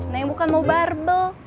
neng bukan mau barbel